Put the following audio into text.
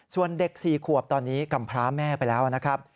ส่วนเด็ก๔ขวบตอนนี้กำพร้าแม่ไปแล้วนะครับ